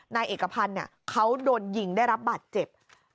นายเอกพันธ์เขาโดนยิงได้รับบาดเจ็บ